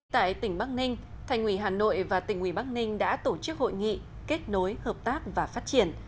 tại tỉnh bắc ninh thành ủy hà nội và tỉnh ủy bắc ninh đã tổ chức hội nghị kết nối hợp tác và phát triển